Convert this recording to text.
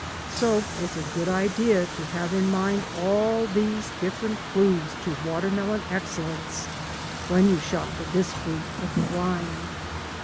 So it's a good idea to have in mind all these different clues to raennelon excellence when you shop for this fruit of the vine.